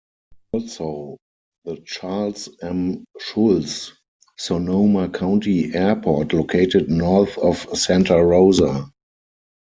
Also the Charles M. Schulz - Sonoma County Airport located north of Santa Rosa.